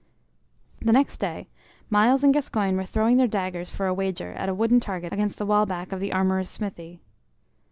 The next day Myles and Gascoyne were throwing their daggers for a wager at a wooden target against the wall back of the armorer's smithy.